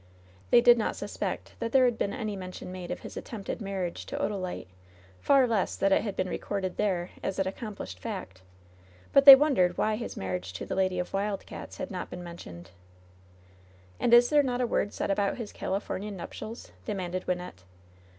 They did not suspect that there had been any mention made of his attempted marriage to Odalite, far less that it had been recorded there as an accomplished fact ; but they wondered why his marriage to the lady of Wild Cats' had not been mentioned, "And is there not a word said about his Califomian nuptials f ' demanded Wynnette.